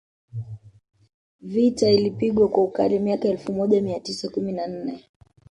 Vita ilipigwa kwa ukali miaka ya elfu moja mia tisa kumi na nne